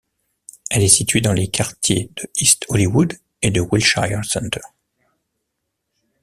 Elle est située entre les quartiers de East Hollywood et de Wilshire Center.